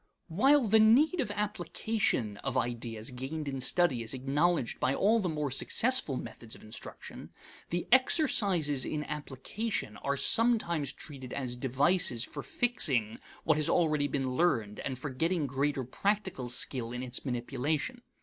While the need of application of ideas gained in study is acknowledged by all the more successful methods of instruction, the exercises in application are sometimes treated as devices for fixing what has already been learned and for getting greater practical skill in its manipulation.